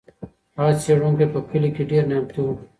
هغه څېړونکی په کلي کې ډېر نامتو و.